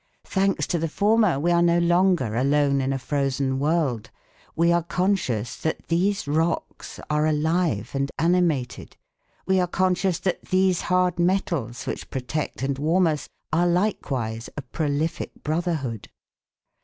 Thanks to the former we are no longer alone in a frozen world. We are conscious that these rocks are alive and animated, we are conscious that these hard metals which protect and warm us are likewise a prolific brotherhood.